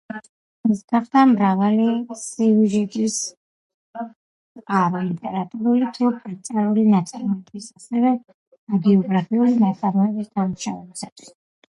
ის გახდა მრავალი სიუჯეტის წყარო ლიტერატურული თუ ფერწერული ნაწარმოებების, ასევე ჰაგიოგრაფიული ნაშრომების დამუშავებისათვის.